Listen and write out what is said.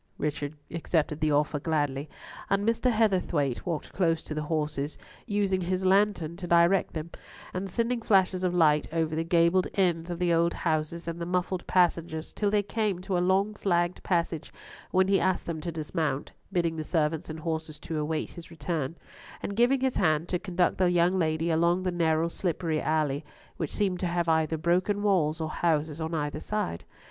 Richard accepted the offer gladly, and Mr. Heatherthwayte walked close to the horses, using his lantern to direct them, and sending flashes of light over the gabled ends of the old houses and the muffled passengers, till they came to a long flagged passage, when he asked them to dismount, bidding the servants and horses to await his return, and giving his hand to conduct the young lady along the narrow slippery alley, which seemed to have either broken walls or houses on either aide.